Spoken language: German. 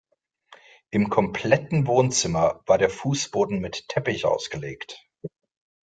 Im kompletten Wohnzimmer war der Fußboden mit Teppich ausgelegt.